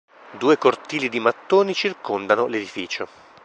Due cortili di mattoni circondano l'edificio.